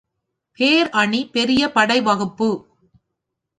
பேர் அணி பெரிய படை வகுப்பு.